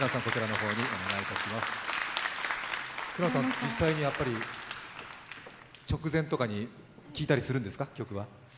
平野さん、実際にやっぱり直前とかに聴いたりするんですか、曲は。